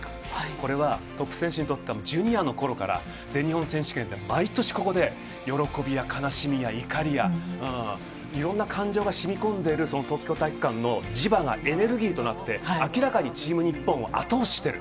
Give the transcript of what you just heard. これはトップ選手にとっては、ジュニアのころから全日本選手権で毎年ここで喜びや悲しみや怒りや、いろんな感情がしみこんでいる東京体育館の磁場がエネルギーとなって、明らかにチーム日本を後押ししている。